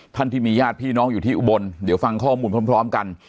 ที่มีญาติพี่น้องอยู่ที่อุบลเดี๋ยวฟังข้อมูลพร้อมกัน